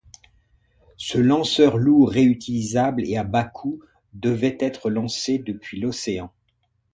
Ce lanceur lourd réutilisable et à bas coût devait être lancé depuis l'océan.